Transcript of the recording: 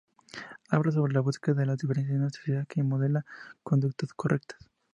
Habla sobre la búsqueda de la diferencia en una sociedad que modela conductas "correctas".